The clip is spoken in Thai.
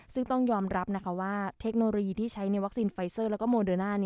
ซึ่งต้องยอมรับนะคะว่าเทคโนโลยีที่ใช้ในวัคซีนไฟเซอร์แล้วก็โมเดอร์น่า